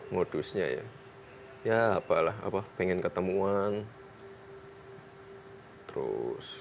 modusnya ya ya apalah apa pengen ketemuan terus